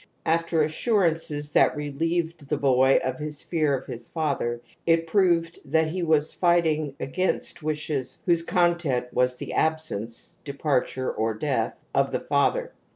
After assurances had elieved the boy of his fear of his father, it proved hat he was fighting against wishes whose con sent was the absence (departure or death) of the father.